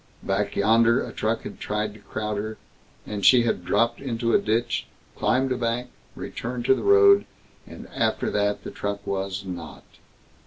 Back yonder a truck had tried to crowd her, and she had dropped into a ditch, climbed a bank, returned to the road, and after that the truck was not.